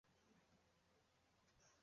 类短肋黄耆是豆科黄芪属的植物。